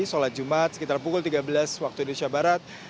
sholat jumat sekitar pukul tiga belas waktu indonesia barat